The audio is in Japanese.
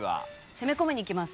攻め込みにきます。